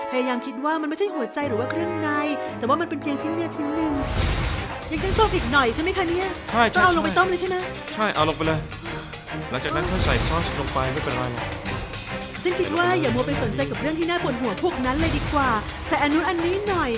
พยายามคิดว่ามันไม่ใช่หัวใจหรือว่าเครื่องใน